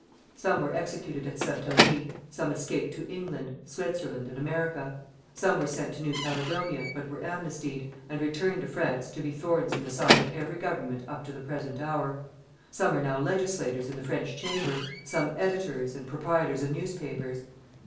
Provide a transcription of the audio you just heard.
Some were executed at Satory; some escaped to England, Switzerland, and America; some were sent to New Caledonia, but were amnestied, and returned to France to be thorns in the side of every Government up to the present hour; some are now legislators in the French Chamber, some editors and proprietors of newspapers.